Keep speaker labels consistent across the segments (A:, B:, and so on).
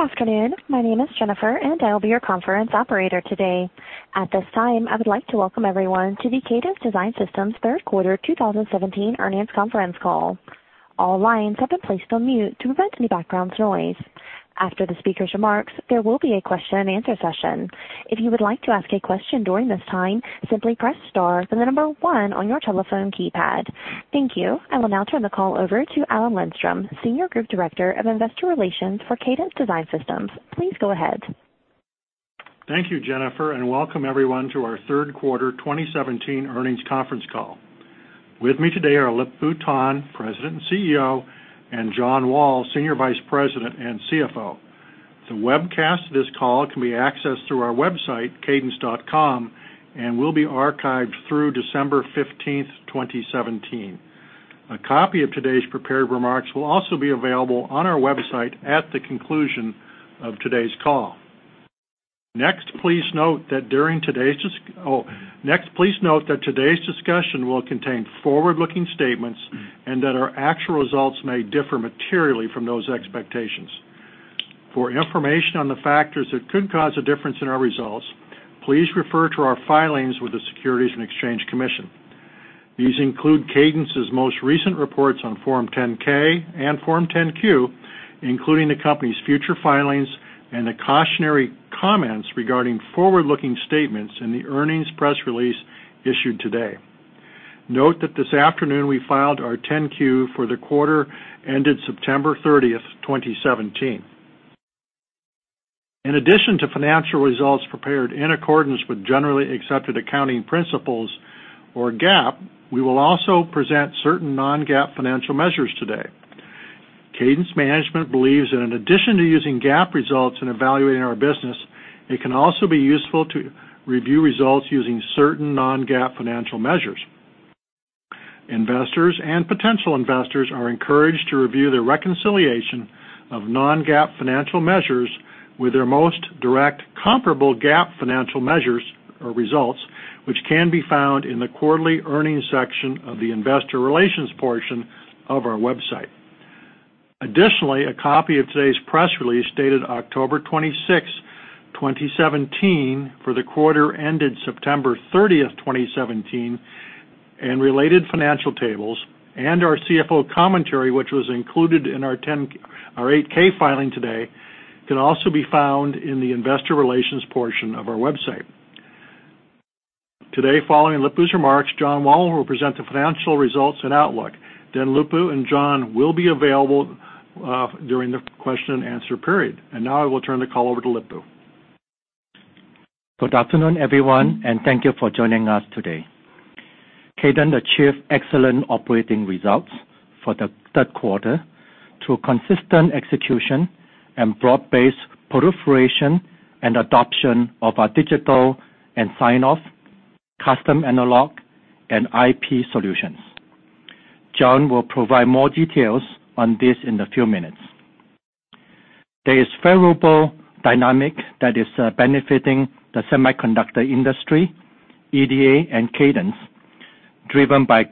A: Good afternoon. My name is Jennifer, and I will be your conference operator today. At this time, I would like to welcome everyone to the Cadence Design Systems third quarter 2017 earnings conference call. All lines have been placed on mute to prevent any background noise. After the speaker's remarks, there will be a question and answer session. If you would like to ask a question during this time, simply press star, then the number 1 on your telephone keypad. Thank you. I will now turn the call over to Alan Lindstrom, Senior Group Director of Investor Relations for Cadence Design Systems. Please go ahead.
B: Thank you, Jennifer, and welcome everyone to our third quarter 2017 earnings conference call. With me today are Lip-Bu Tan, President and CEO, and John Wall, Senior Vice President and CFO. The webcast of this call can be accessed through our website, cadence.com, and will be archived through December 15th, 2017. A copy of today's prepared remarks will also be available on our website at the conclusion of today's call. Next, please note that today's discussion will contain forward-looking statements and that our actual results may differ materially from those expectations. For information on the factors that could cause a difference in our results, please refer to our filings with the Securities and Exchange Commission. These include Cadence's most recent reports on Form 10-K and Form 10-Q, including the company's future filings and the cautionary comments regarding forward-looking statements in the earnings press release issued today. Note that this afternoon we filed our 10-Q for the quarter ended September 30th, 2017. In addition to financial results prepared in accordance with generally accepted accounting principles or GAAP, we will also present certain non-GAAP financial measures today. Cadence management believes that in addition to using GAAP results in evaluating our business, it can also be useful to review results using certain non-GAAP financial measures. Investors and potential investors are encouraged to review their reconciliation of non-GAAP financial measures with their most direct comparable GAAP financial measures or results, which can be found in the quarterly earnings section of the investor relations portion of our website. Additionally, a copy of today's press release, dated October 26th, 2017, for the quarter ended September 30th, 2017, and related financial tables, and our CFO commentary, which was included in our 8-K filing today, can also be found in the investor relations portion of our website. Today, following Lip-Bu's remarks, John Wall will present the financial results and outlook. Lip-Bu and John will be available during the question and answer period. Now I will turn the call over to Lip-Bu.
C: Good afternoon, everyone, and thank you for joining us today. Cadence achieved excellent operating results for the third quarter through consistent execution and broad-based proliferation and adoption of our digital and sign-off custom analog and IP solutions. John will provide more details on this in a few minutes. There is favorable dynamic that is benefiting the semiconductor industry, EDA and Cadence, driven by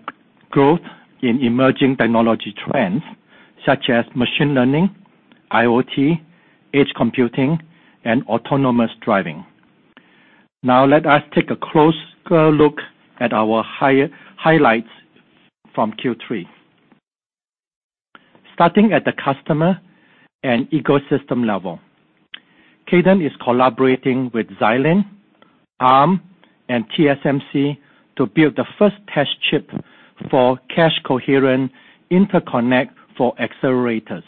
C: growth in emerging technology trends such as machine learning, IoT, edge computing and autonomous driving. Let us take a closer look at our highlights from Q3. Starting at the customer and ecosystem level. Cadence is collaborating with Xilinx, Arm, and TSMC to build the first test chip for Cache Coherent Interconnect for Accelerators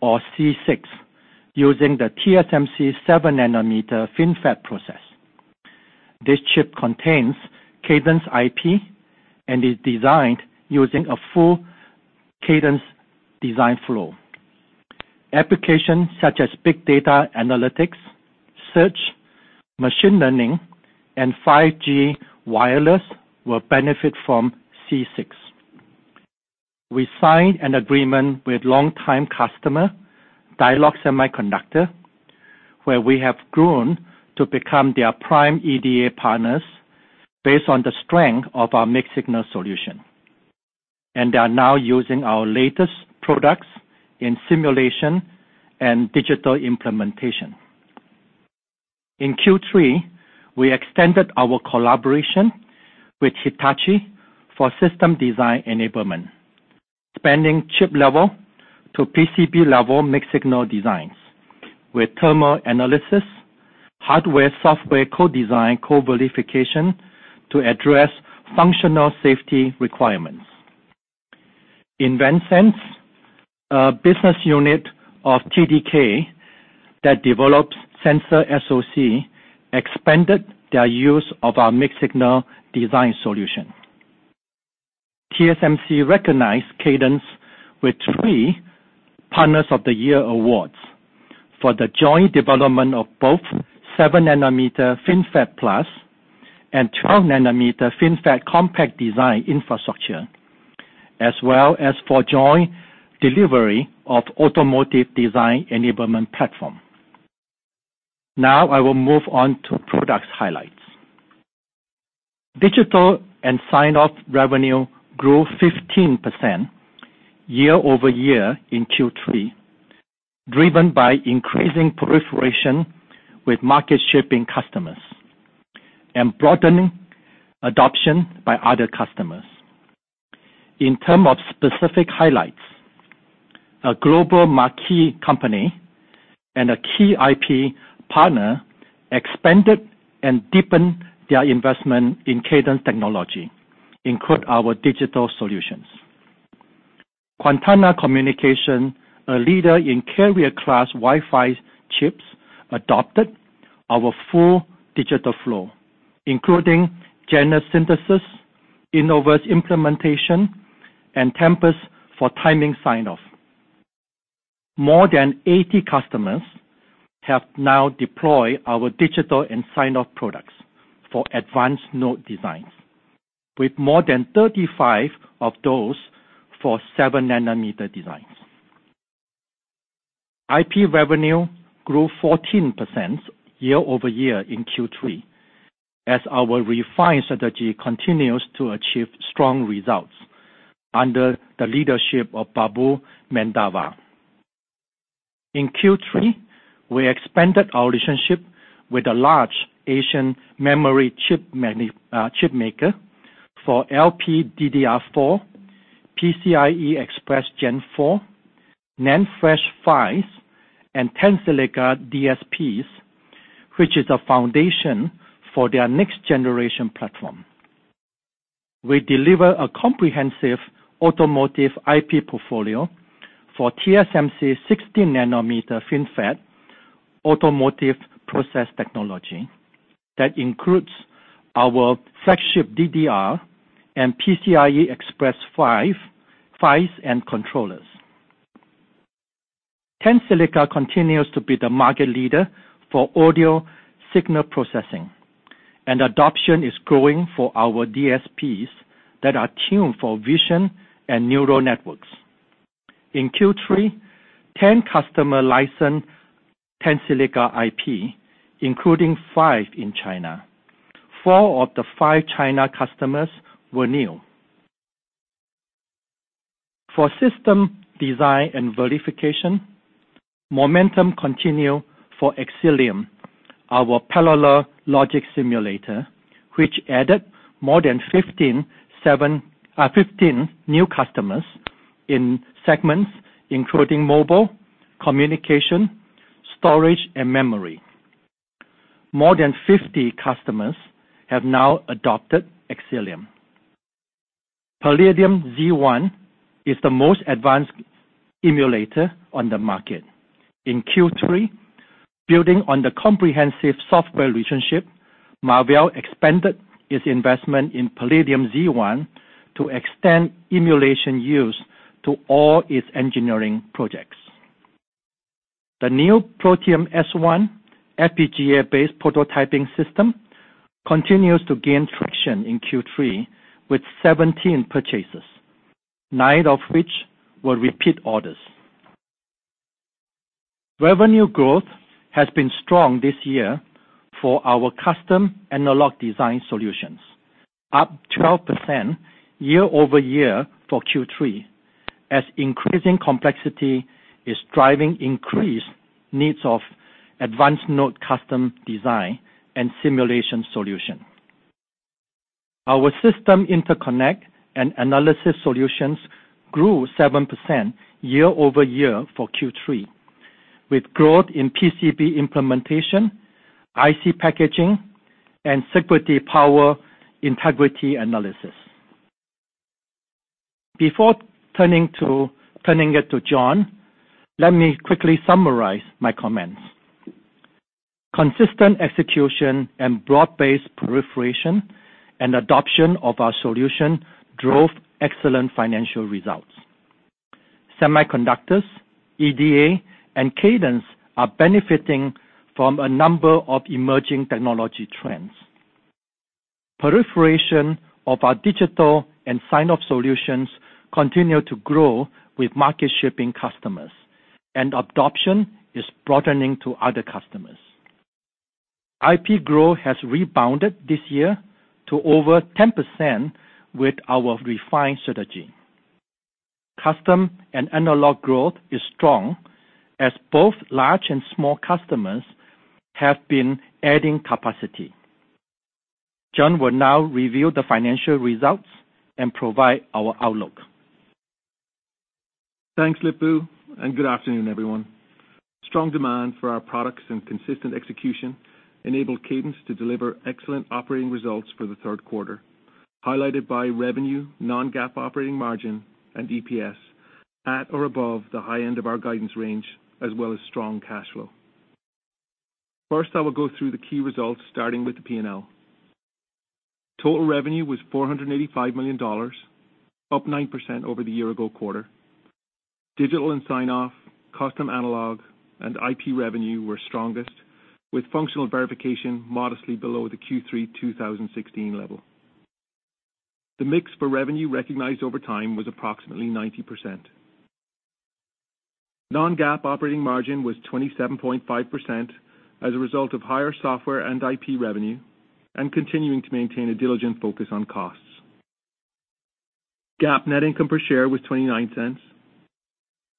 C: or CCIX using the TSMC 7 nanometer FinFET process. This chip contains Cadence IP and is designed using a full Cadence design flow. Applications such as big data analytics, search, machine learning, and 5G wireless will benefit from CCIX. We signed an agreement with longtime customer, Dialog Semiconductor, where we have grown to become their prime EDA partners based on the strength of our mixed-signal solution. They are now using our latest products in simulation and digital implementation. In Q3, we extended our collaboration with Hitachi for system design enablement, expanding chip level to PCB level mixed-signal designs with thermal analysis, hardware/software co-design, co-verification to address functional safety requirements. InvenSense, a business unit of TDK that develops sensor SoC, expanded their use of our mixed-signal design solution. TSMC recognized Cadence with 3 Partners of the Year awards for the joint development of both 7 nanometer FinFET+ and 12 nanometer FinFET compact design infrastructure, as well as for joint delivery of automotive design enablement platform. I will move on to product highlights. Digital and sign-off revenue grew 15% year-over-year in Q3, driven by increasing proliferation with market-shipping customers and broadening adoption by other customers. In terms of specific highlights, a global marquee company and a key IP partner expanded and deepened their investment in Cadence technology, including our digital solutions. Quantenna Communications, a leader in carrier class Wi-Fi chips, adopted our full digital flow, including Genus synthesis, Innovus implementation, and Tempus for timing sign-off. More than 80 customers have now deployed our digital and sign-off products for advanced node designs, with more than 35 of those for 7 nanometer designs. IP revenue grew 14% year-over-year in Q3, as our refined strategy continues to achieve strong results under the leadership of Babu Mandava. In Q3, we expanded our relationship with a large Asian memory chip maker for LPDDR4, PCIe Gen4, NAND flash PHYs, and Tensilica DSPs, which is a foundation for their next-generation platform. We deliver a comprehensive automotive IP portfolio for TSMC's 16 nanometer FinFET automotive process technology that includes our flagship DDR and PCIe PHYs and controllers. Tensilica continues to be the market leader for audio signal processing, and adoption is growing for our DSPs that are tuned for vision and neural networks. In Q3, 10 customers licensed Tensilica IP, including 5 in China. 4 of the 5 China customers were new. For system design and verification, momentum continued for Xcelium, our parallel logic simulator, which added more than 15 new customers in segments including mobile, communication, storage, and memory. More than 50 customers have now adopted Xcelium. Palladium Z1 is the most advanced emulator on the market. In Q3, building on the comprehensive software relationship, Marvell expanded its investment in Palladium Z1 to extend emulation use to all its engineering projects. The new Protium S1 FPGA-based prototyping system continues to gain traction in Q3 with 17 purchases, nine of which were repeat orders. Revenue growth has been strong this year for our custom analog design solutions, up 12% year-over-year for Q3 as increasing complexity is driving increased needs of advanced node custom design and simulation solution. Our system interconnect and analysis solutions grew 7% year-over-year for Q3 with growth in PCB implementation, IC packaging, and security power integrity analysis. Before turning it to John, let me quickly summarize my comments. Consistent execution and broad-based proliferation and adoption of our solution drove excellent financial results. Semiconductors, EDA, and Cadence are benefiting from a number of emerging technology trends. Proliferation of our digital and sign-off solutions continue to grow with market-shipping customers, adoption is broadening to other customers. IP growth has rebounded this year to over 10% with our refined strategy. Custom and analog growth is strong as both large and small customers have been adding capacity. John will now review the financial results and provide our outlook.
D: Thanks, Lip-Bu. Good afternoon, everyone. Strong demand for our products and consistent execution enabled Cadence to deliver excellent operating results for the third quarter, highlighted by revenue, non-GAAP operating margin, and EPS at or above the high end of our guidance range, as well as strong cash flow. First, I will go through the key results, starting with the P&L. Total revenue was $485 million, up 9% over the year-ago quarter. Digital and sign-off, custom analog, and IP revenue were strongest, with functional verification modestly below the Q3 2016 level. The mix for revenue recognized over time was approximately 90%. Non-GAAP operating margin was 27.5% as a result of higher software and IP revenue and continuing to maintain a diligent focus on costs. GAAP net income per share was $0.29.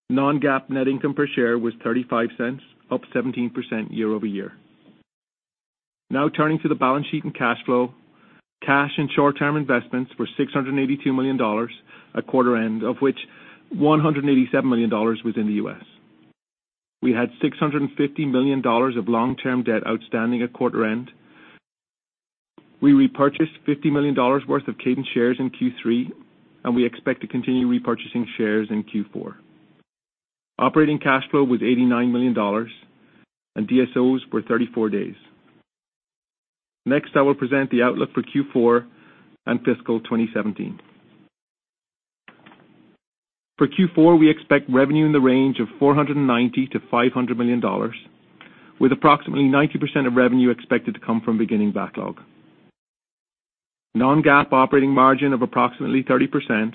D: Non-GAAP net income per share was $0.35, up 17% year-over-year. Now turning to the balance sheet and cash flow. Cash and short-term investments were $682 million at quarter end, of which $187 million was in the U.S. We had $650 million of long-term debt outstanding at quarter end. We repurchased $50 million worth of Cadence shares in Q3. We expect to continue repurchasing shares in Q4. Operating cash flow was $89 million, and DSOs were 34 days. Next, I will present the outlook for Q4 and fiscal 2017. For Q4, we expect revenue in the range of $490 million to $500 million, with approximately 90% of revenue expected to come from beginning backlog. Non-GAAP operating margin of approximately 30%,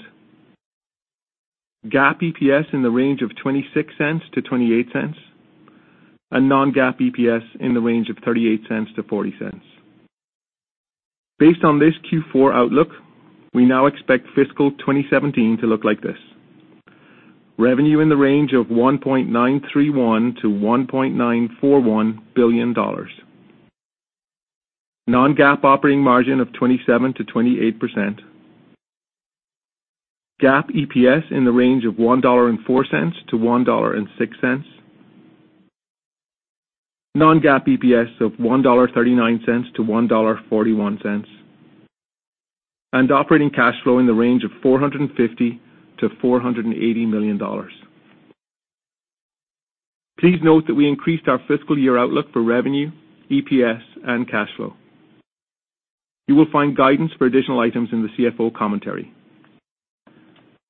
D: GAAP EPS in the range of $0.26 to $0.28, and non-GAAP EPS in the range of $0.38 to $0.40. Based on this Q4 outlook, we now expect fiscal 2017 to look like this. Revenue in the range of $1.931 billion-$1.941 billion. Non-GAAP operating margin of 27%-28%. GAAP EPS in the range of $1.04-$1.06. Non-GAAP EPS of $1.39-$1.41. Operating cash flow in the range of $450 million-$480 million. Please note that we increased our fiscal year outlook for revenue, EPS, and cash flow. You will find guidance for additional items in the CFO commentary.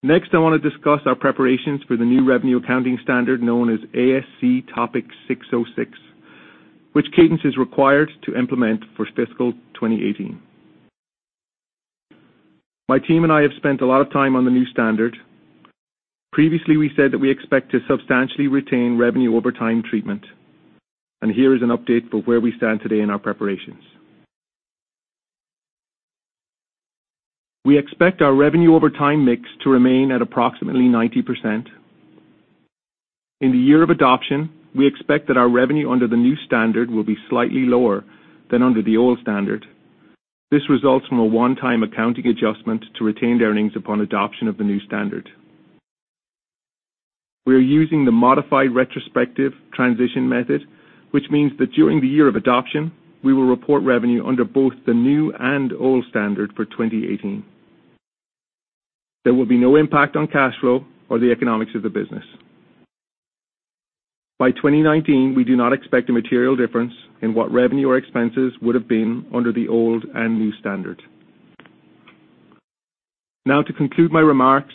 D: Next, I want to discuss our preparations for the new revenue accounting standard known as ASC Topic 606, which Cadence is required to implement for fiscal 2018. My team and I have spent a lot of time on the new standard. Previously, we said that we expect to substantially retain revenue over time treatment, and here is an update for where we stand today in our preparations. We expect our revenue over time mix to remain at approximately 90%. In the year of adoption, we expect that our revenue under the new standard will be slightly lower than under the old standard. This results from a one-time accounting adjustment to retained earnings upon adoption of the new standard. We are using the modified retrospective transition method, which means that during the year of adoption, we will report revenue under both the new and old standard for 2018. There will be no impact on cash flow or the economics of the business. By 2019, we do not expect a material difference in what revenue or expenses would have been under the old and new standard. To conclude my remarks,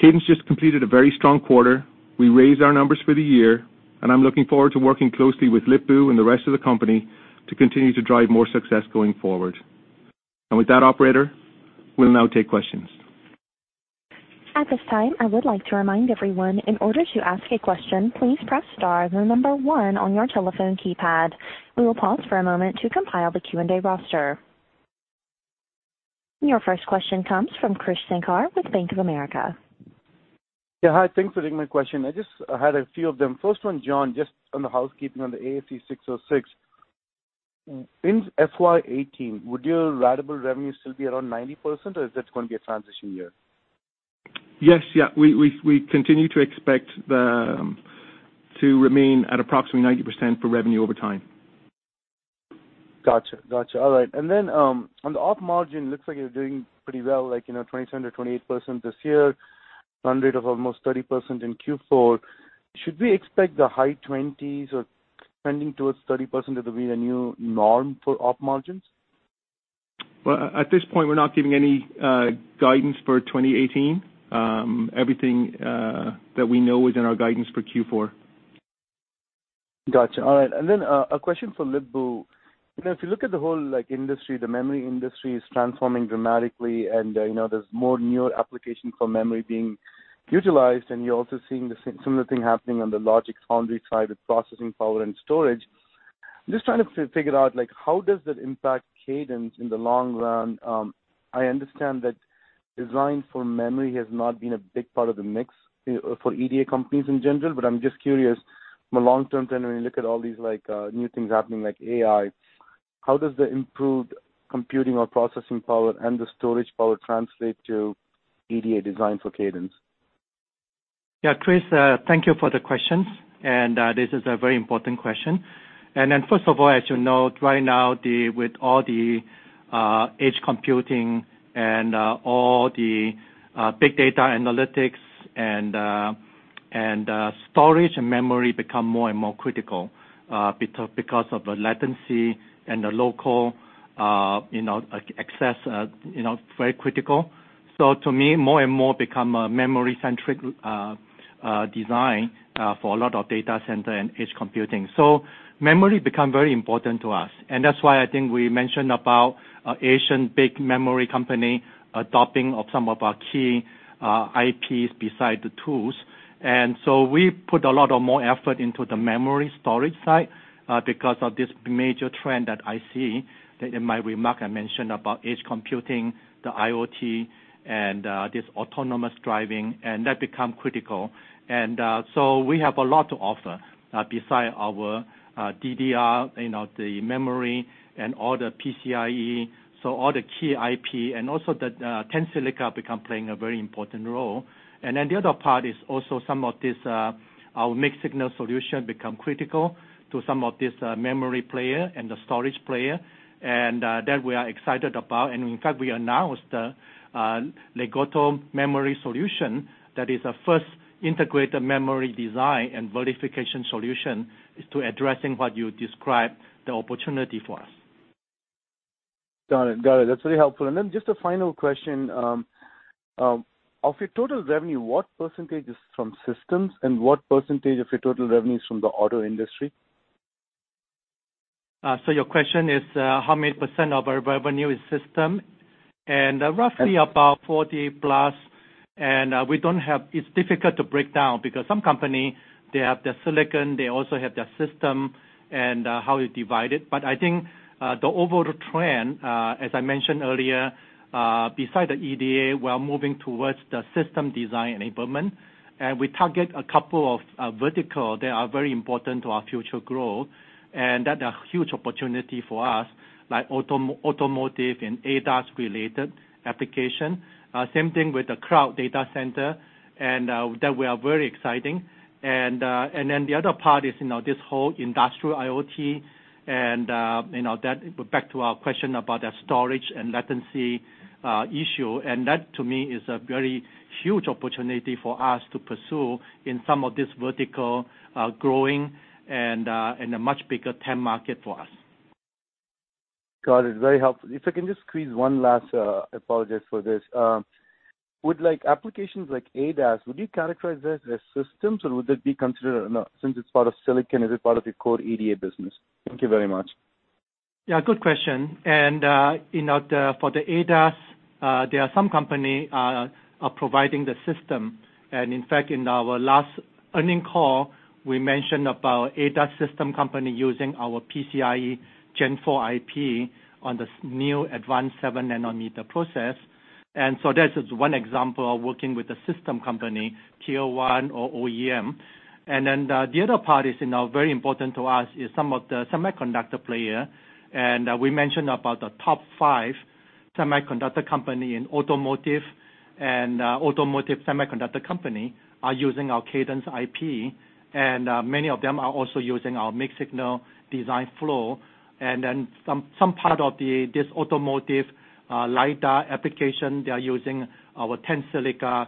D: Cadence just completed a very strong quarter. We raised our numbers for the year, and I'm looking forward to working closely with Lip-Bu and the rest of the company to continue to drive more success going forward. With that, operator, we'll now take questions.
A: At this time, I would like to remind everyone, in order to ask a question, please press star, the number one on your telephone keypad. We will pause for a moment to compile the Q&A roster. Your first question comes from Krish Sankar with Bank of America.
E: Yeah. Hi, thanks for taking my question. I just had a few of them. First one, John, just on the housekeeping on the ASC 606. In FY 2018, would your ratable revenue still be around 90%, or is that going to be a transition year?
D: Yes. We continue to expect to remain at approximately 90% for revenue over time.
E: Got you. All right. Then on the op margin, looks like you're doing pretty well, like 27%-28% this year, run rate of almost 30% in Q4. Should we expect the high 20s or trending towards 30% to be the new norm for op margins?
D: Well, at this point, we're not giving any guidance for 2018. Everything that we know is in our guidance for Q4.
E: Got you. All right. A question for Lip-Bu. If you look at the whole industry, the memory industry is transforming dramatically, and there's more newer application for memory being utilized, and you're also seeing similar thing happening on the logic foundry side with processing power and storage. I'm just trying to figure out how does that impact Cadence in the long run? I understand that design for memory has not been a big part of the mix for EDA companies in general, but I'm just curious from a long-term trend, when you look at all these new things happening, like AI, how does the improved computing or processing power and the storage power translate to EDA design for Cadence?
C: Krish, thank you for the questions. This is a very important question. First of all, as you know, right now with all the edge computing and all the big data analytics, storage and memory become more and more critical, because of the latency and the local access, very critical. To me, more and more become a memory-centric design for a lot of data center and edge computing. Memory become very important to us, and that's why I think we mentioned about Asian big memory company adopting of some of our key IPs beside the tools. We put a lot of more effort into the memory storage side because of this major trend that I see. In my remark, I mentioned about edge computing, the IoT, and this autonomous driving, and that become critical. We have a lot to offer beside our DDR, the memory, and all the PCIe. All the key IP, and also the Tensilica become playing a very important role. The other part is also some of this, our mixed signal solution become critical to some of this memory player and the storage player. That we are excited about. In fact, we announced Legato memory solution that is a first integrated memory design and verification solution to addressing what you described the opportunity for us.
E: Got it. That's very helpful. Just a final question. Of your total revenue, what percentage is from systems, and what percentage of your total revenue is from the auto industry?
C: Your question is, how many % of our revenue is system? Roughly about 40 plus, and it's difficult to break down because some company, they have their silicon, they also have their system and how it divided. I think the overall trend, as I mentioned earlier, beside the EDA, we are moving towards the system design enablement. We target a couple of vertical that are very important to our future growth, and that are huge opportunity for us, like automotive and ADAS-related application. Same thing with the cloud data center, we are very exciting. The other part is this whole industrial IoT, and back to our question about the storage and latency issue. That, to me, is a very huge opportunity for us to pursue in some of this vertical growing and a much bigger TAM market for us.
E: Got it. Very helpful. If I can just squeeze one last, I apologize for this. With applications like ADAS, would you characterize this as systems, or would that be considered, no, since it's part of silicon, is it part of your core EDA business? Thank you very much.
C: Yeah, good question. For the ADAS, there are some company are providing the system. In fact, in our last earning call, we mentioned about ADAS system company using our PCIe Gen4 IP on this new advanced seven-nanometer process. That is one example of working with a system company, tier 1 or OEM. The other part is very important to us, is some of the semiconductor player. We mentioned about the top five semiconductor company in automotive, and automotive semiconductor company are using our Cadence IP. Many of them are also using our mixed signal design flow. Some part of this automotive lidar application, they are using our Tensilica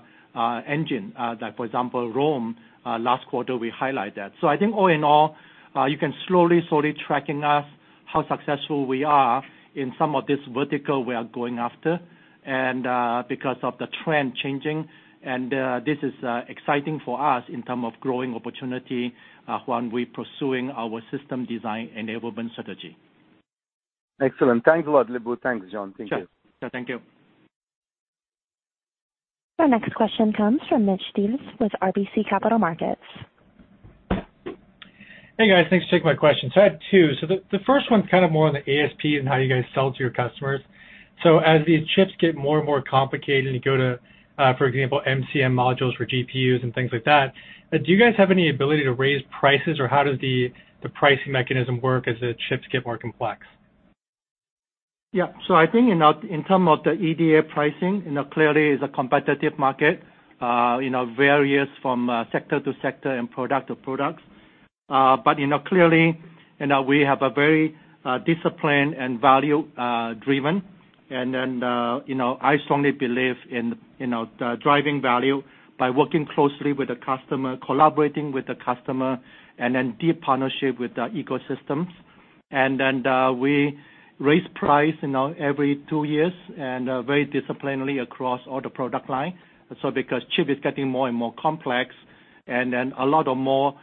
C: engine, like for example, ROHM, last quarter we highlight that. I think all in all, you can slowly tracking us, how successful we are in some of this vertical we are going after. Because of the trend changing, and this is exciting for us in term of growing opportunity when we pursuing our system design enablement strategy.
E: Excellent. Thanks a lot, Lip-Bu. Thanks, John. Thank you.
C: Sure. Thank you.
A: Our next question comes from Mitch Stevens with RBC Capital Markets.
F: Hey, guys. Thanks for taking my question. I have two. The first one's kind of more on the ASP and how you guys sell to your customers. As these chips get more and more complicated and go to, for example, MCM modules for GPUs and things like that, do you guys have any ability to raise prices, or how does the pricing mechanism work as the chips get more complex?
C: I think in terms of the EDA pricing, clearly is a competitive market, varies from sector to sector and product to products. Clearly, we have a very disciplined and value-driven. I strongly believe in the driving value by working closely with the customer, collaborating with the customer, deep partnership with the ecosystems. We raise price every 2 years and very disciplinarily across all the product line. Because chip is getting more and more complex, a lot of more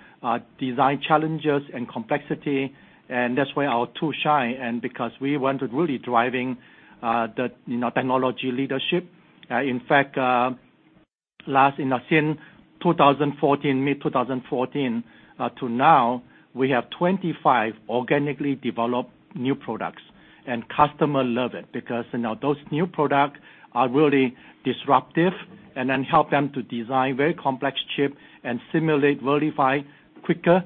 C: design challenges and complexity, that's where our tools shine. Because we wanted really driving the technology leadership. In fact, since mid-2014 to now, we have 25 organically developed new products. Customer love it, because now those new product are really disruptive and help them to design very complex chip and simulate, verify quicker,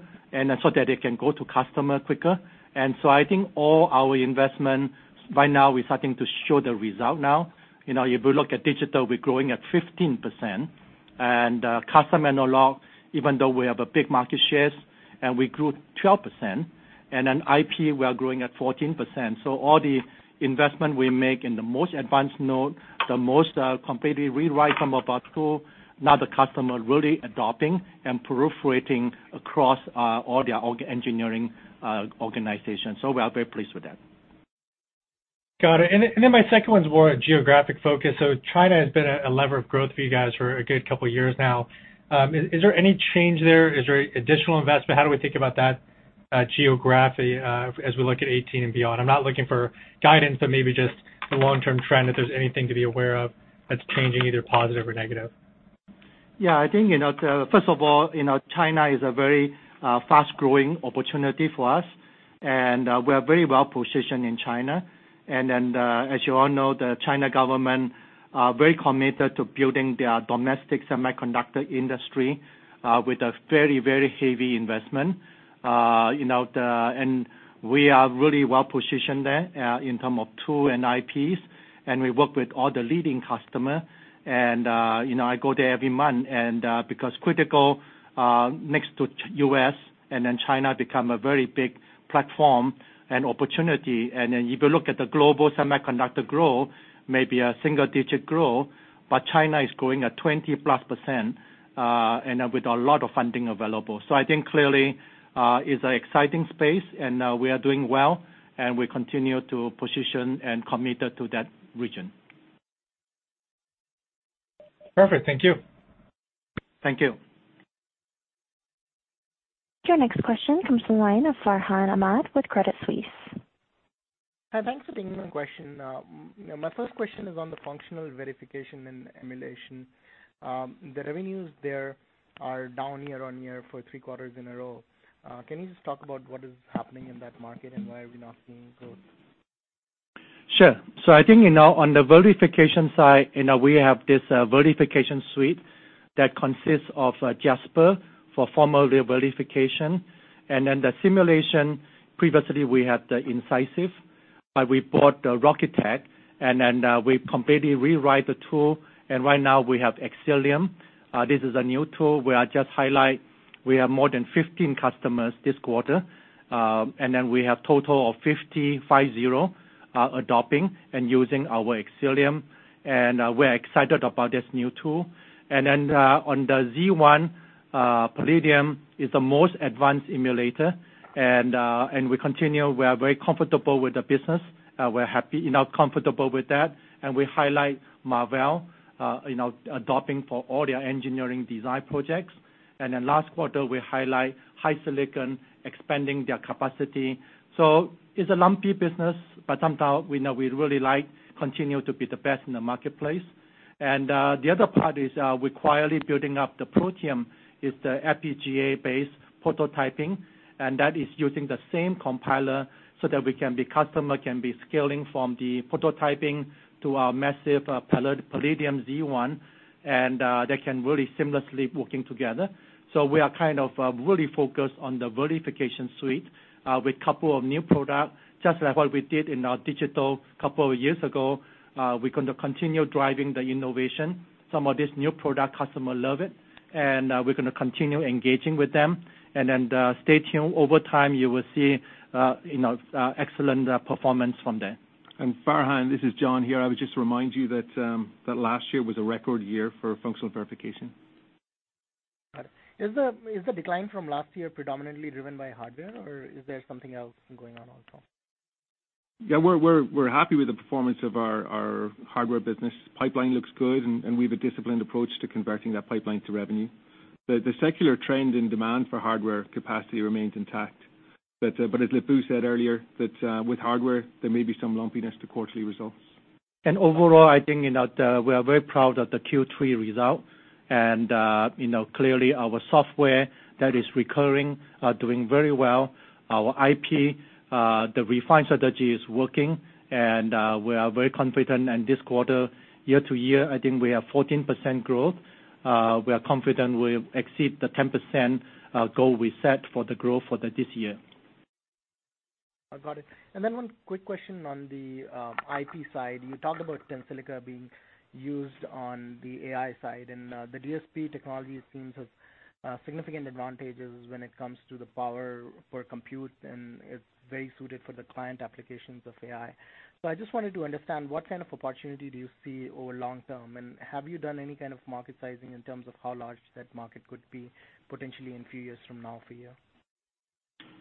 C: so that they can go to customer quicker. I think all our investments, by now we're starting to show the result now. If you look at digital, we're growing at 15%. Custom analog, even though we have a big market shares, we grew 12%. IP, we are growing at 14%. All the investment we make in the most advanced node, the most completely rewrite some of our tool, now the customer really adopting and proliferating across all their engineering organization. We are very pleased with that.
F: Got it. My second one's more a geographic focus. China has been a lever of growth for you guys for a good couple of years now. Is there any change there? Is there additional investment? How do we think about that geographically, as we look at 2018 and beyond? I'm not looking for guidance, but maybe just the long-term trend, if there's anything to be aware of that's changing either positive or negative.
C: I think, first of all, China is a very fast-growing opportunity for us, and we are very well-positioned in China. As you all know, the China government are very committed to building their domestic semiconductor industry, with a very heavy investment. We are really well-positioned there in terms of tool and IPs, and we work with all the leading customer. I go there every month, because critical, next to the U.S., China become a very big platform and opportunity. If you look at the global semiconductor growth, maybe a single-digit growth, but China is growing at 20-plus%, with a lot of funding available. I think clearly, it's an exciting space and we are doing well, and we continue to position and committed to that region.
F: Perfect. Thank you.
C: Thank you.
A: Your next question comes from the line of Farhan Ahmad with Credit Suisse.
G: Hi. Thanks for taking my question. My first question is on the functional verification and emulation. The revenues there are down year-over-year for three quarters in a row. Can you just talk about what is happening in that market and why are we not seeing growth?
C: Sure. I think, on the verification side, we have this verification suite that consists of Jasper for formal verification. The simulation, previously we had the Incisive, but we bought Rocketick and then we completely rewrite the tool, and right now we have Xcelium. This is a new tool where I just highlight we have more than 15 customers this quarter. We have total of 50, five zero, adopting and using our Xcelium, and we're excited about this new tool. On the Z1, Palladium is the most advanced emulator, and we continue. We are very comfortable with the business. We're happy enough comfortable with that, and we highlight Marvell adopting for all their engineering design projects. Last quarter, we highlight HiSilicon expanding their capacity. It's a lumpy business, but something we know we really like, continue to be the best in the marketplace. The other part is we quietly building up the Protium is the FPGA-based prototyping, and that is using the same compiler so that we can be customer, can be scaling from the prototyping to our massive Palladium Z1, and they can really seamlessly working together. We are kind of really focused on the verification suite, with couple of new product. Just like what we did in our digital couple of years ago, we're going to continue driving the innovation. Some of this new product customer love it, and we're going to continue engaging with them. Stay tuned. Over time, you will see excellent performance from there.
D: Farhan, this is John here. I would just remind you that last year was a record year for functional verification.
G: Got it. Is the decline from last year predominantly driven by hardware, or is there something else going on also?
D: We are happy with the performance of our hardware business. Pipeline looks good, we have a disciplined approach to converting that pipeline to revenue. The secular trend in demand for hardware capacity remains intact. As Lip-Bu said earlier, that with hardware, there may be some lumpiness to quarterly results.
C: Overall, I think we are very proud of the Q3 result. Clearly our software that is recurring are doing very well. Our IP, the refined strategy is working, we are very confident. This quarter, year-over-year, I think we have 14% growth. We are confident we will exceed the 10% goal we set for the growth for this year.
G: Got it. One quick question on the IP side. You talked about Tensilica being used on the AI side, the DSP technology seems to have significant advantages when it comes to the power for compute, and it's very suited for the client applications of AI. I just wanted to understand, what kind of opportunity do you see over long term, and have you done any kind of market sizing in terms of how large that market could be potentially in few years from now for you?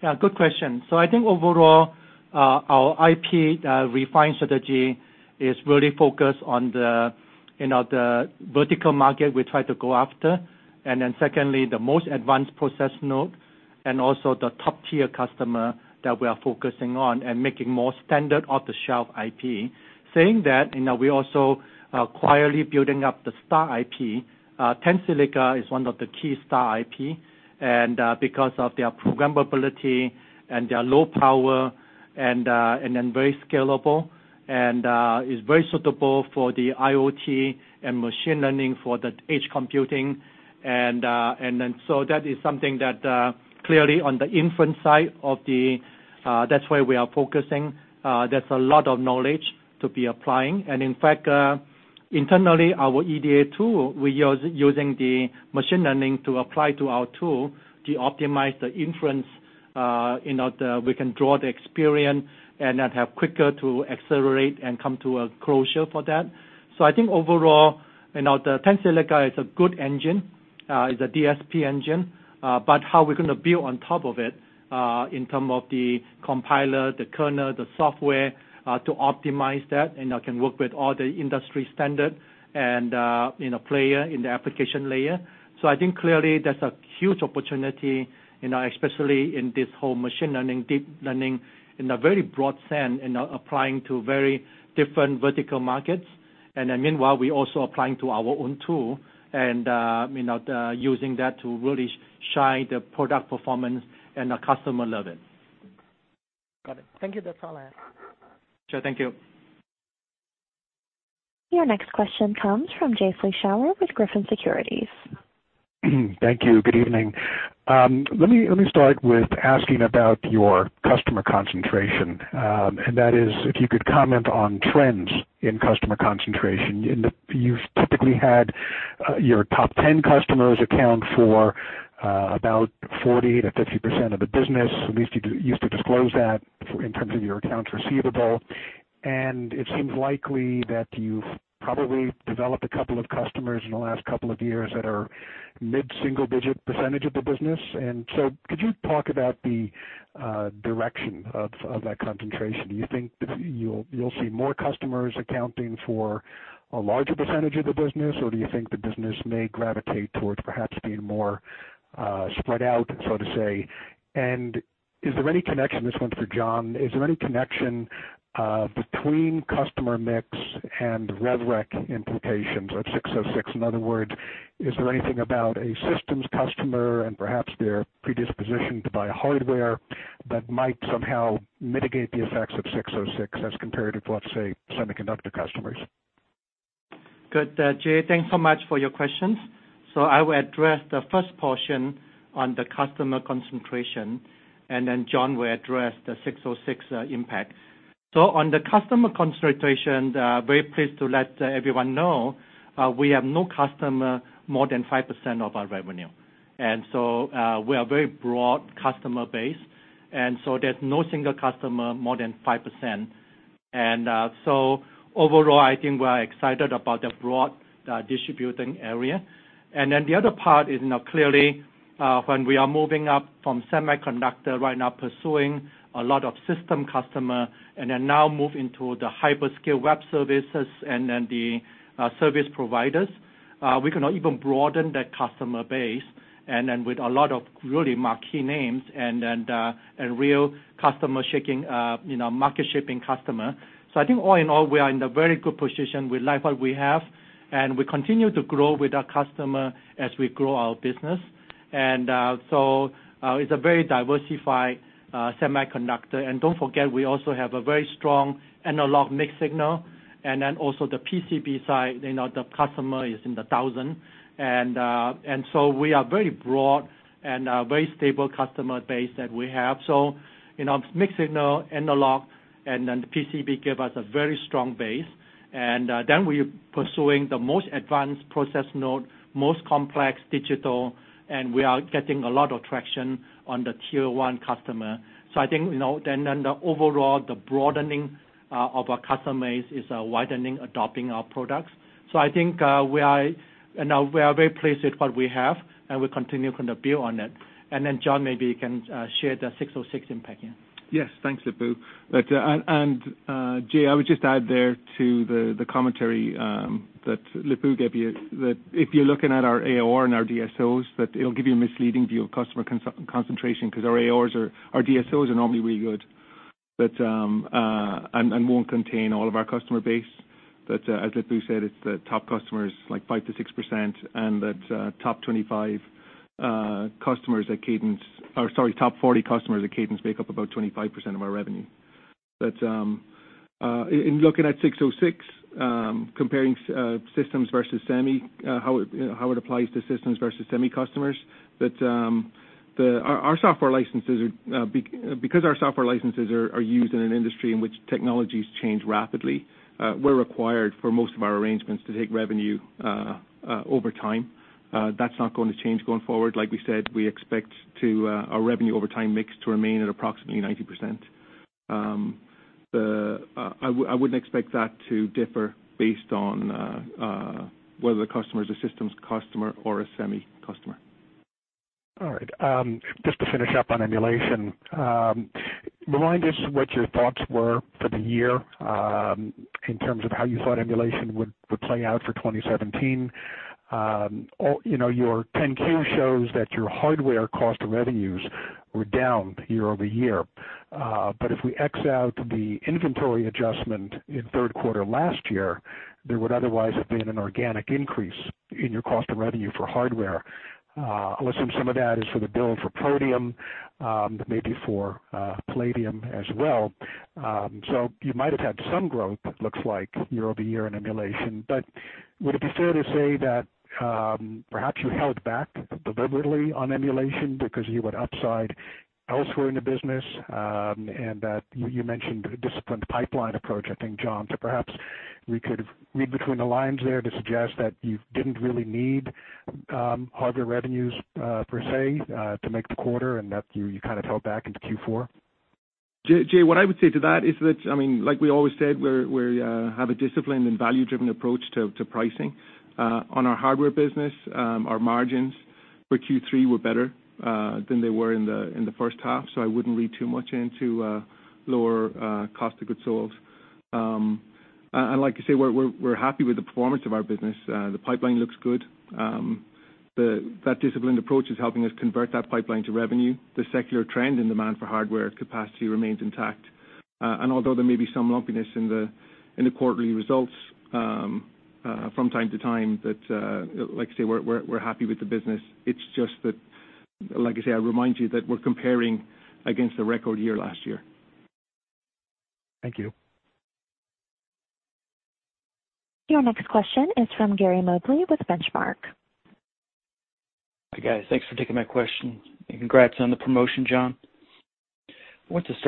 C: Yeah, good question. I think overall, our IP refined strategy is really focused on the vertical market we try to go after. Secondly, the most advanced process node, also the top-tier customer that we are focusing on and making more standard off-the-shelf IP. Saying that, we also quietly building up the star IP. Tensilica is one of the key star IP, because of their programmability, their low power, very scalable and is very suitable for the IoT and machine learning for the edge computing. That is something that, clearly on the inference side, that's why we are focusing. There's a lot of knowledge to be applying. In fact, internally, our EDA tool, we're using the machine learning to apply to our tool to optimize the inference, we can draw the experience and then have quicker to accelerate and come to a closure for that. I think overall, the Tensilica is a good engine, the DSP engine, but how we're going to build on top of it, in terms of the compiler, the kernel, the software, to optimize that and can work with all the industry standard and player in the application layer. I think clearly that's a huge opportunity, especially in this whole machine learning, deep learning, in a very broad sense, and applying to very different vertical markets. Meanwhile, we're also applying to our own tool and using that to really shine the product performance, and the customer love it.
G: Got it. Thank you. That's all I have.
C: Sure. Thank you.
A: Your next question comes from Jay Vleeschhouwer with Griffin Securities.
H: Thank you. Good evening. Let me start with asking about your customer concentration. That is, if you could comment on trends in customer concentration. You've typically had your top 10 customers account for about 40%-50% of the business. At least you used to disclose that in terms of your accounts receivable. It seems likely that you've probably developed a couple of customers in the last couple of years that are mid-single-digit percentage of the business. Could you talk about the direction of that concentration? Do you think that you'll see more customers accounting for a larger percentage of the business, or do you think the business may gravitate towards perhaps being more spread out, so to say? This one's for John, is there any connection between customer mix and rev rec implications of 606? In other words, is there anything about a systems customer and perhaps their predisposition to buy hardware that might somehow mitigate the effects of 606 as compared to, let's say, semiconductor customers?
C: Good. Jay, thanks so much for your questions. I will address the first portion on the customer concentration, John will address the 606 impact. On the customer concentration, very pleased to let everyone know, we have no customer more than 5% of our revenue. We are very broad customer base, there's no single customer more than 5%. Overall, I think we're excited about the broad distributing area. The other part is clearly, when we are moving up from semiconductor right now, pursuing a lot of system customer, now move into the hyperscale web services, the service providers, we can now even broaden that customer base with a lot of really marquee names and real market-shaping customer. I think all in all, we are in a very good position. We like what we have, we continue to grow with our customer as we grow our business. It's a very diversified semiconductor. Don't forget, we also have a very strong analog mixed signal, also the PCB side, the customer is in the thousand. We are very broad and a very stable customer base that we have. Mixed signal, analog, PCB give us a very strong base. We're pursuing the most advanced process node, most complex digital, and we are getting a lot of traction on the tier 1 customer. I think then the overall, the broadening of our customer base is widening, adopting our products. I think we are very pleased with what we have, and we continue to build on it. John, maybe you can share the 606 impact here.
D: Yes. Thanks, Lip-Bu. Jay, I would just add there to the commentary that Lip-Bu gave you, that if you're looking at our AR and our DSOs, that it'll give you a misleading view of customer concentration because our DSOs are normally really good and won't contain all of our customer base. As Lip-Bu said, it's the top customers, like 5%-6%, and that top 40 customers at Cadence make up about 25% of our revenue. In looking at 606, comparing systems versus semi, how it applies to systems versus semi customers, because our software licenses are used in an industry in which technologies change rapidly, we're required for most of our arrangements to take revenue over time. That's not going to change going forward. Like we said, we expect our revenue over time mix to remain at approximately 90%. I wouldn't expect that to differ based on whether the customer is a systems customer or a semi customer.
H: All right. Just to finish up on emulation. Remind us what your thoughts were for the year, in terms of how you thought emulation would play out for 2017. Your Form 10-Q shows that your hardware cost of revenues were down year-over-year. If we X out the inventory adjustment in third quarter last year, there would otherwise have been an organic increase in your cost of revenue for hardware. I'll assume some of that is for the bill for Protium, maybe for Palladium as well. You might have had some growth, looks like, year-over-year in emulation. That you mentioned a disciplined pipeline approach, I think, John. Perhaps we could read between the lines there to suggest that you didn't really need hardware revenues per se to make the quarter, and that you kind of held back into Q4?
D: Jay, what I would say to that is that, like we always said, we have a disciplined and value-driven approach to pricing. On our hardware business, our margins for Q3 were better than they were in the first half, I wouldn't read too much into lower cost of goods sold. Like you say, we're happy with the performance of our business. The pipeline looks good. That disciplined approach is helping us convert that pipeline to revenue. The secular trend in demand for hardware capacity remains intact. Although there may be some lumpiness in the quarterly results from time to time, like I say, we're happy with the business. It's just that, like I say, I remind you that we're comparing against the record year last year.
H: Thank you.
A: Your next question is from Gary Mobley with Benchmark.
I: Hi, guys. Thanks for taking my question. Congrats on the promotion, John.
D: Thank you.
I: I wanted to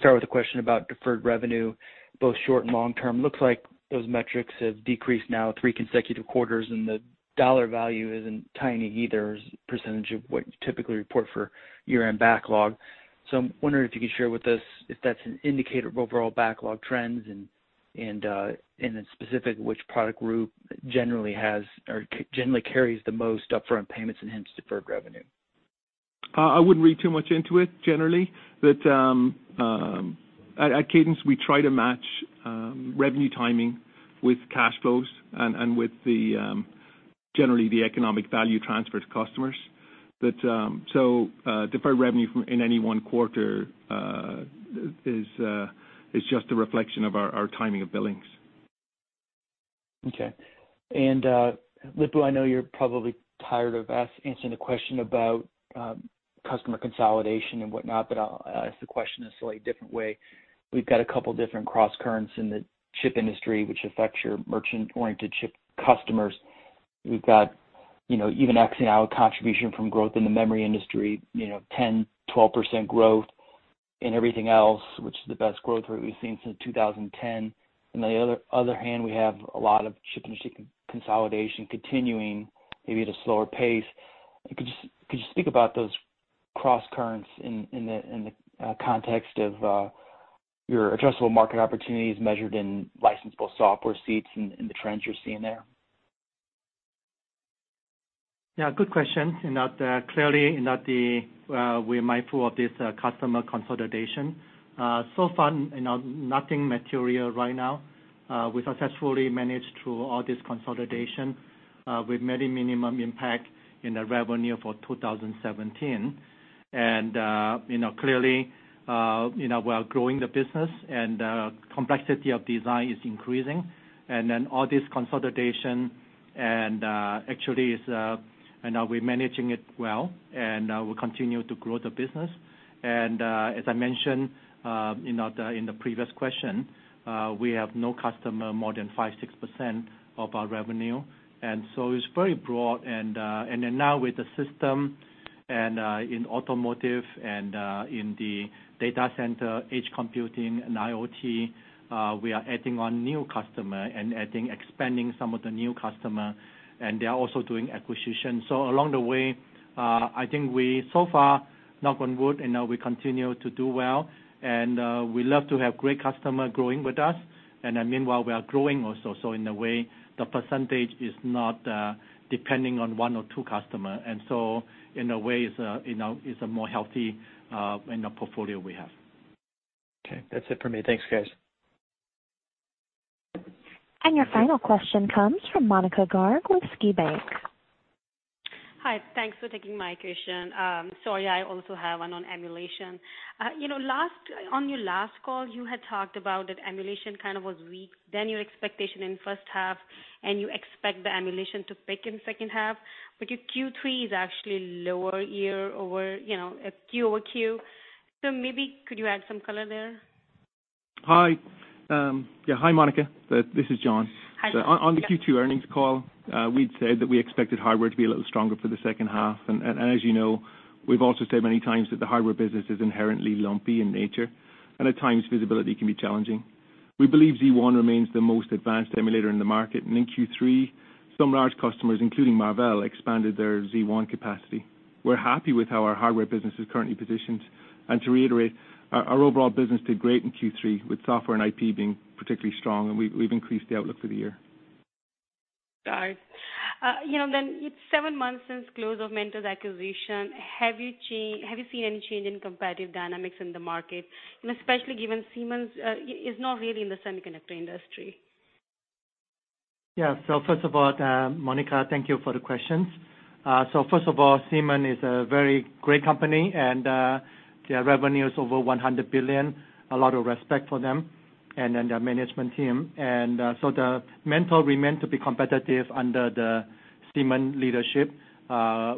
I: start with a question about deferred revenue, both short and long-term. Looks like those metrics have decreased now 3 consecutive quarters, and the dollar value isn't tiny either, as a percentage of what you typically report for year-end backlog. I'm wondering if you could share with us if that's an indicator of overall backlog trends and then specific which product group generally carries the most upfront payments and hence deferred revenue.
D: I wouldn't read too much into it generally. At Cadence, we try to match revenue timing with cash flows and with generally the economic value transfer to customers. Deferred revenue in any one quarter is just a reflection of our timing of billings.
I: Okay. Lip-Bu, I know you're probably tired of us answering the question about customer consolidation and whatnot, but I'll ask the question a slightly different way. We've got a couple different crosscurrents in the chip industry, which affects your merchant-oriented chip customers. We've got even exing out contribution from growth in the memory industry, 10%, 12% growth in everything else, which is the best growth rate we've seen since 2010. On the other hand, we have a lot of chip industry consolidation continuing, maybe at a slower pace. Could you speak about those crosscurrents in the context of your addressable market opportunities measured in licensable software seats and the trends you're seeing there?
C: Yeah, good question. Clearly, we are mindful of this customer consolidation. So far, nothing material right now. We successfully managed through all this consolidation with very minimum impact in the revenue for 2017. Clearly, we are growing the business and complexity of design is increasing. All this consolidation and actually we're managing it well, and we'll continue to grow the business. As I mentioned in the previous question, we have no customer more than 5%, 6% of our revenue, so it's very broad. Now with the system and in automotive and in the data center, edge computing and IoT, we are adding on new customer and adding, expanding some of the new customer, and they are also doing acquisition. Along the way, I think we so far, knock on wood, we continue to do well. We love to have great customer growing with us. Meanwhile, we are growing also. In a way, the percentage is not depending on one or two customer, so in a way it's a more healthy portfolio we have.
I: Okay. That's it for me. Thanks, guys.
A: Your final question comes from Monica Garg with SKB Bank.
J: Hi. Thanks for taking my question. Sorry, I also have one on emulation. On your last call, you had talked about that emulation kind of was weak then your expectation in first half, and you expect the emulation to pick in second half, but your Q3 is actually lower year over Q over Q. Maybe could you add some color there?
D: Hi. Yeah. Hi, Monica. This is John.
J: Hi, John.
D: On the Q2 earnings call, we'd said that we expected hardware to be a little stronger for the second half. As you know, we've also said many times that the hardware business is inherently lumpy in nature, and at times visibility can be challenging. We believe Z1 remains the most advanced emulator in the market. In Q3, some large customers, including Marvell, expanded their Z1 capacity. We're happy with how our hardware business is currently positioned. To reiterate, our overall business did great in Q3, with software and IP being particularly strong, and we've increased the outlook for the year.
J: Got it. It's seven months since close of Mentor's acquisition. Have you seen any change in competitive dynamics in the market? Especially given Siemens is not really in the semiconductor industry.
C: Yeah. First of all, Monica, thank you for the questions. First of all, Siemens is a very great company, and their revenue is over $100 billion. A lot of respect for them and then their management team. Mentor remains to be competitive under the Siemens leadership.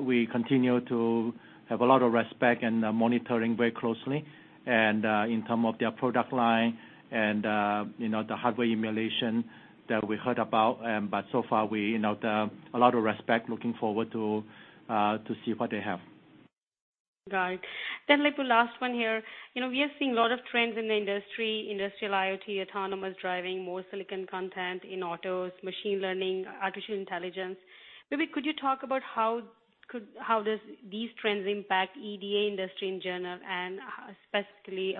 C: We continue to have a lot of respect and are monitoring very closely and in terms of their product line and the hardware emulation that we heard about. So far, a lot of respect, looking forward to see what they have.
J: Got it. Lip-Bu, last one here. We are seeing a lot of trends in the industry, industrial IoT, autonomous driving, more silicon content in autos, machine learning, artificial intelligence. Maybe could you talk about how does these trends impact EDA industry in general, and specifically,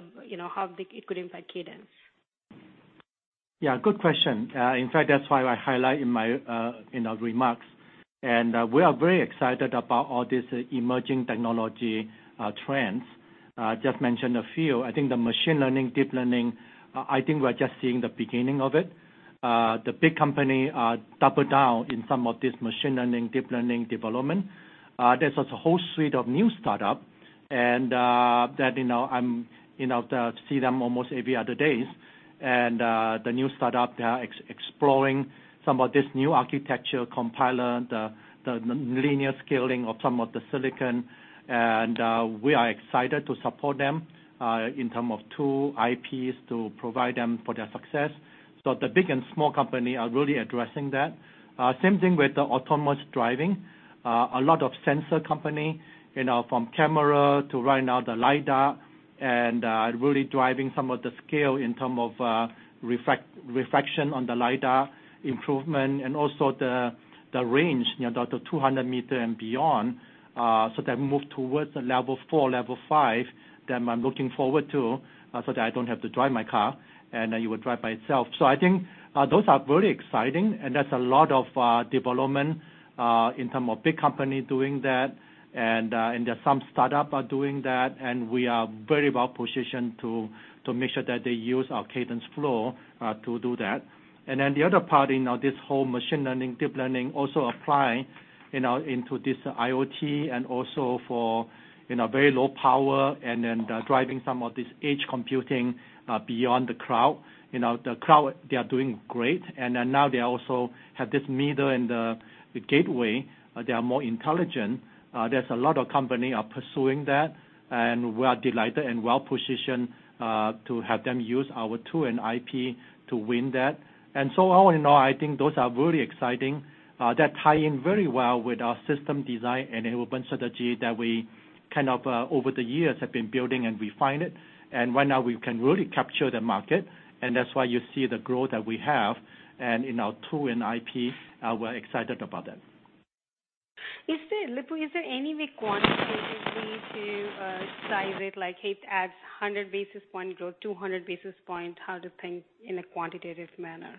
J: how big it could impact Cadence?
C: Yeah, good question. In fact, that's why I highlight in our remarks. We are very excited about all these emerging technology trends. Just mention a few. I think the machine learning, deep learning, I think we're just seeing the beginning of it. The big company double down in some of this machine learning, deep learning development. There's also a whole suite of new startup, and that I see them almost every other days. The new startup, they are exploring some of this new architecture compiler, the linear scaling of some of the silicon. We are excited to support them in terms of tool IPs to provide them for their success. The big and small company are really addressing that. Same thing with the autonomous driving. A lot of sensor company, from camera to right now, the lidar, and really driving some of the scale in term of refraction on the lidar improvement and also the range, the 200 meter and beyond, so that move towards the level 4, level 5, that I'm looking forward to, so that I don't have to drive my car, and it will drive by itself. I think those are very exciting, and that's a lot of development in term of big company doing that. There's some startup are doing that, and we are very well-positioned to make sure that they use our Cadence Flow to do that. The other part, this whole machine learning, deep learning also apply into this IoT and also for very low power then driving some of this edge computing beyond the cloud. The cloud, they are doing great. Now they also have this middle and the gateway. They are more intelligent. There's a lot of company are pursuing that, and we are delighted and well-positioned to have them use our tool and IP to win that. All in all, I think those are really exciting. That tie in very well with our system design enablement strategy that we kind of, over the years, have been building and refine it. Right now we can really capture the market, and that's why you see the growth that we have and in our tool and IP, we're excited about that.
J: Lip-Bu, is there any big quantification way to size it, like it adds 100 basis point growth, 200 basis point, how to think in a quantitative manner?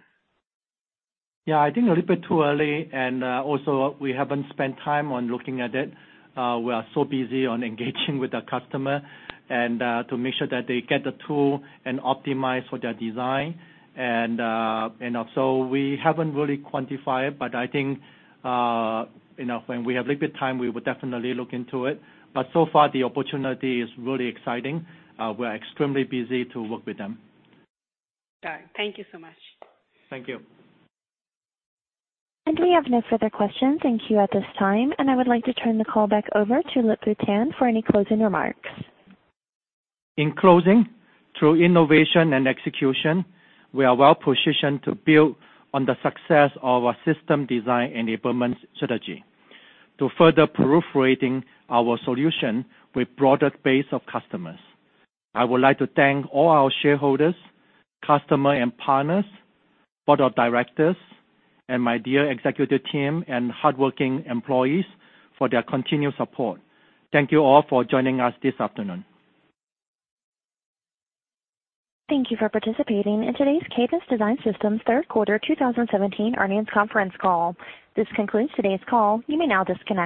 C: I think a little bit too early, and also we haven't spent time on looking at it. We are so busy on engaging with the customer and to make sure that they get the tool and optimize for their design. We haven't really quantified, but I think when we have a little bit time, we will definitely look into it. So far, the opportunity is really exciting. We're extremely busy to work with them.
J: Got it. Thank you so much.
C: Thank you.
A: We have no further questions in queue at this time. I would like to turn the call back over to Lip-Bu Tan for any closing remarks.
C: In closing, through innovation and execution, we are well-positioned to build on the success of our system design enablement strategy to further penetrating our solution with broader base of customers. I would like to thank all our shareholders, customer and partners, board of directors, and my dear executive team and hardworking employees for their continued support. Thank you all for joining us this afternoon.
A: Thank you for participating in today's Cadence Design Systems third quarter 2017 earnings conference call. This concludes today's call. You may now disconnect.